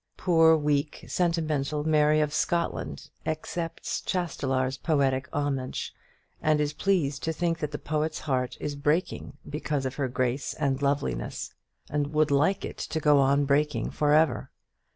Poor weak sentimental Mary of Scotland accepts Chastelar's poetic homage, and is pleased to think that the poet's heart is breaking because of her grace and loveliness, and would like it to go on breaking for ever.